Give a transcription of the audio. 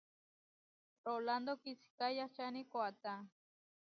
Rolándo kisiká yahčáni koatá.